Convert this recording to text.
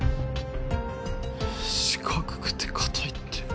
四角くて硬いって